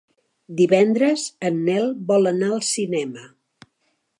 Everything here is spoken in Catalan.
Divendres en Nel vol anar al cinema.